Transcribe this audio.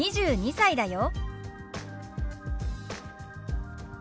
２２歳だよ。